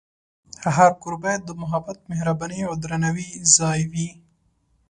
هر کور باید د محبت، مهربانۍ، او درناوي ځای وي.